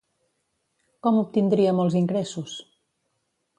Com obtindria molts ingressos?